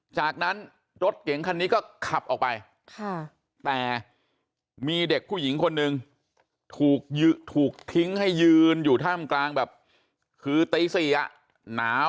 จากนั้นรถเก๋งคันนี้ก็ขับออกไปแต่มีเด็กผู้หญิงคนหนึ่งถูกทิ้งให้ยืนอยู่ท่ามกลางแบบคือตี๔อ่ะหนาว